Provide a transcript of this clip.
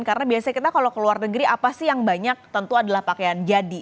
karena biasanya kita kalau keluar negeri apa sih yang banyak tentu adalah pakaian jadi